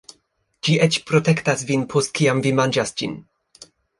Ĝi eĉ protektas vin post kiam vi manĝas ĝin